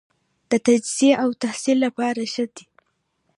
د تجزیې او تحلیل لپاره ښه دی.